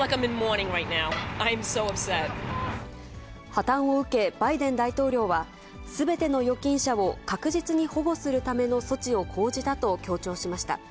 破綻を受け、バイデン大統領はすべての預金者を確実に保護するための措置を講じたと強調しました。